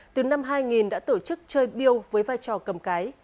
từ năm hai nghìn đã tổ chức chơi biêu với vai trò cầm cái